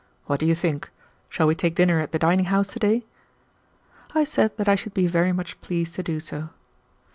What do you think? Shall we take dinner at the dining house to day?" I said that I should be very much pleased to do so.